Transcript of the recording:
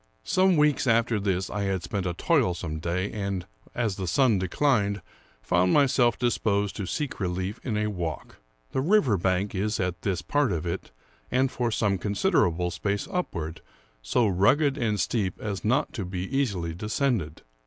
Some weeks after this I had spent a toilsome day, and, as the sun declined, found myself disposed to seek relief in a walk. The river bank is, at this part of it and for some considerable space upward, so rugged and steep as not to be easily descended.